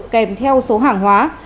kèm theo số hình tín dụng đen